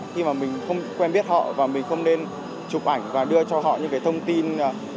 khi mà mình không quen biết họ và mình không nên chụp ảnh và đưa cho họ những cái thông tin